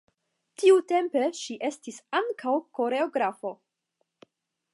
Tiutempe ŝi estis ankaŭ koreografo.